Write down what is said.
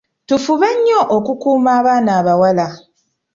Tufube nnyo okukuuuma abaana abawala.